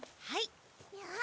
はい。